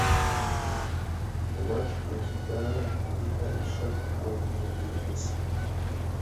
Obwakitunzi ddaala eryeetaagisa okwongera okumanyisa.